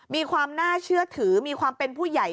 มีความน่าเชื่อถือมีความเป็นผู้ใหญ่